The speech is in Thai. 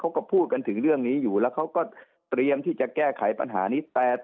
เขาก็พูดกันถึงเรื่องนี้อยู่แล้วเขาก็เตรียมที่จะแก้ไขปัญหานี้